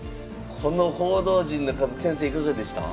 この報道陣の数先生いかがでした？